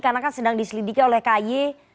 karena kan sedang diselidiki oleh kay